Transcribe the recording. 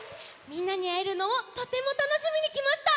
みんなにあえるのをとてもたのしみにきました！